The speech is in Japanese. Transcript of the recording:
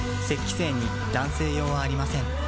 精に男性用はありません